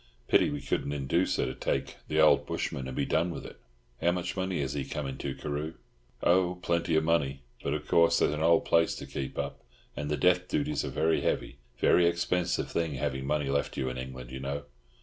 Pity we couldn't induce her to take the old bushman and be done with it. How much money has he come into, Carew?" "Oh, plenty of money. But of course there's an old place to keep up, and the death duties are very heavy. Very expensive thing having money left you in England, you know."